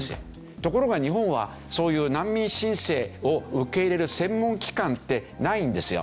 ところが日本はそういう難民申請を受け入れる専門機関ってないんですよ。